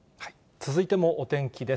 続いてもお天気です。